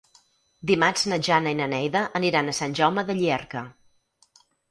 Dimarts na Jana i na Neida aniran a Sant Jaume de Llierca.